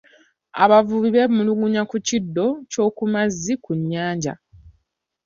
Abavubi beemulugunya ku kiddo ky'oku mazzi ku nnyanja.